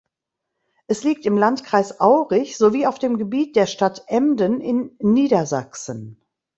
Es liegt im Landkreis Aurich sowie auf dem Gebiet der Stadt Emden in Niedersachsen.